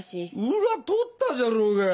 裏取ったじゃろうが！